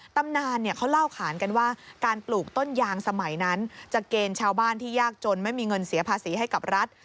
ตำนานเขาเล่าขานกันว่าการปลูกต้นยางสมัยนั้นจะเกณฑ์ชาวบ้านที่ยากจนไม่มีเงินเสียภาษีให้กับรัฐ